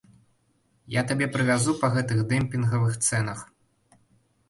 Я табе прывязу па гэтых дэмпінгавых цэнах.